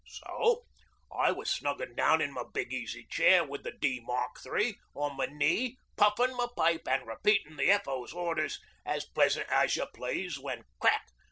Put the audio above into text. So I was snuggin' down in my big easy chair with the D Mark III. on my knee, puffin' my pipe an' repeatin' the F.O.'s orders as pleasant as you please when crack!